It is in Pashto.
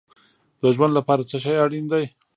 د ژوند لپاره څه شی اړین دی؟